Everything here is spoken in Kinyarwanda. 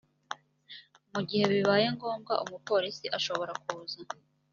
mu gihe bibaye ngombwa umupolisi ashobora kuza